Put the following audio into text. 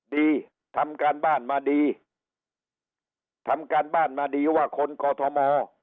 ดีทำการบ้านมาดีทำการบ้านมาดีว่าคนกอทม